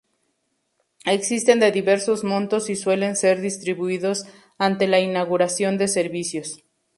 Existen de diversos montos y suelen ser distribuidos ante la inauguración de servicios.